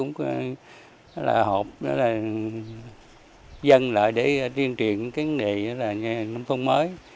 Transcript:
nhà nước cũng hợp dân lại để truyền truyền cái này là nông thôn mới